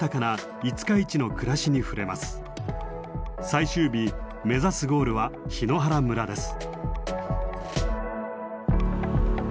最終日目指すゴールは檜原村です。